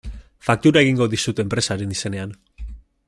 Faktura egingo dizut enpresaren izenean.